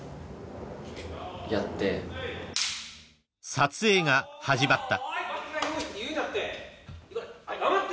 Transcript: ［撮影が始まった］